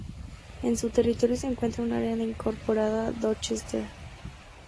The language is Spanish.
En su territorio se encuentra un área no incorporada, Dorchester.